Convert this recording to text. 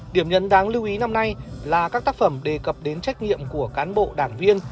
điểm nhấn đáng lưu ý năm nay là các tác phẩm đề cập đến trách nhiệm của cán bộ đảng viên